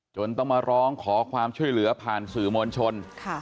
จนต้องมาร้องขอความช่วยเหลือผ่านสื่อมวลชน